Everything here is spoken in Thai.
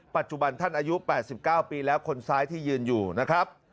ปัจจุบันท่านอายุ๘๙ปีแล้วคนซ้ายที่ยืนอยู่นะครับ